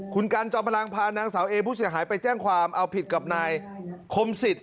คุณกันจอมพลังพานางสาวเอผู้เสียหายไปแจ้งความเอาผิดกับนายคมสิทธิ